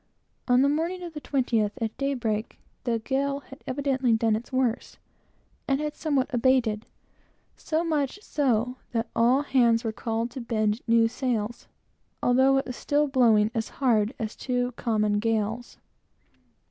On the morning of the twentieth, at daybreak, the gale had evidently done its worst, and had somewhat abated; so much so, that all hands were called to bend new sails, although it was still blowing as hard as two common gales.